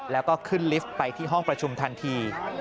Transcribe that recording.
แล้วก็ขึ้นลิฟต์ไปที่ห้องประชุมทันที